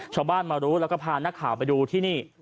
ชาวบ้านมารู้แล้วก็พานักข่าวไปดูที่นี่